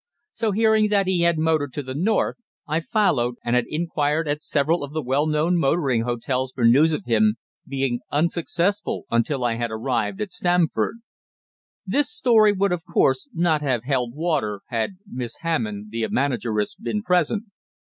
So, hearing that he had motored to the north, I had followed, and had inquired at several of the well known motoring hotels for news of him, being unsuccessful until I had arrived at Stamford. This story would, of course, not have held water had Miss Hammond, the manageress, been present.